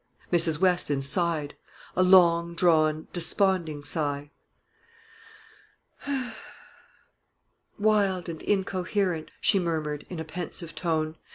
Mrs. Weston sighed, a long drawn, desponding sigh. "Wild and incoherent!" she murmured, in a pensive tone.